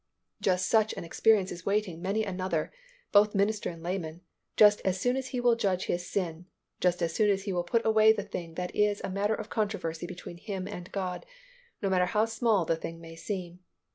" Just such an experience is waiting many another, both minister and layman, just as soon as he will judge his sin, just as soon as he will put away the thing that is a matter of controversy between him and God, no matter how small the thing may seem.